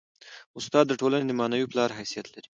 استاد د ټولني د معنوي پلار حیثیت لري.